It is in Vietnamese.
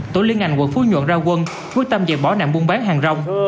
tổ liên ngành quận phú nhuận ra quân quyết tâm dẹp bỏ nạn buôn bán hàng rong